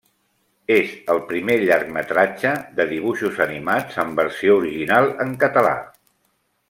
És el primer llargmetratge de dibuixos animats en versió original en català.